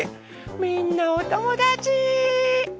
みんなおともだち。